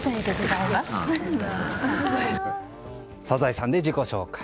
サザエさんで自己紹介。